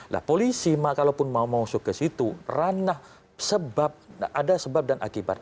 nah polisi mah kalaupun mau masuk ke situ ranah ada sebab dan akibat